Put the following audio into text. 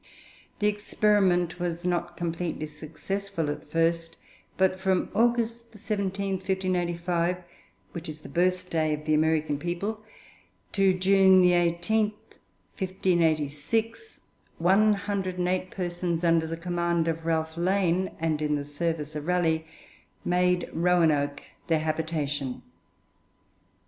The experiment was not completely successful at first, but from August 17, 1585, which is the birthday of the American people, to June 18, 1586, one hundred and eight persons under the command of Ralph Lane, and in the service of Raleigh, made Roanoke their habitation.